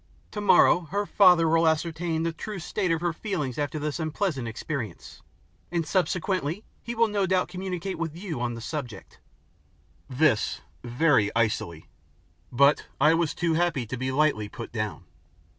Tomorrow her father will ascertain the true state of her feelings after this unpleasant experience, and subsequently he will no doubt communicate with you on the subject." This very icily. But I was too happy to be lightly put down.